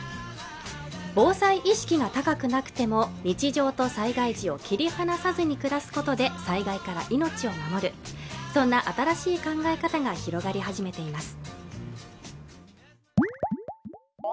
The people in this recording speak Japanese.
防災意識が高くなくても日常と災害時を切り離さずに暮らすことで災害から命を守るそんな新しい考え方が広がり始めています